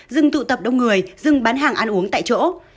dừng tụ tập đông người dừng bán hàng ăn uống tại chỗ